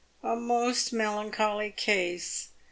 " A most melancholy case